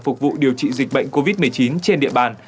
phục vụ điều trị dịch bệnh covid một mươi chín trên địa bàn